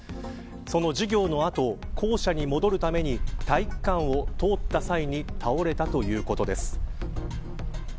その授業の後、校舎に戻るために体育館を通った際に倒れたということです。